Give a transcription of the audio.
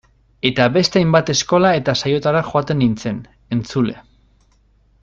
Eta beste hainbat eskola eta saiotara joaten nintzen, entzule.